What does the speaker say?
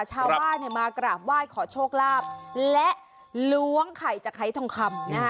ชาวบ้านมากราบว่ายขอโชคลาบและล้วงไข่จากไข่ทองคำ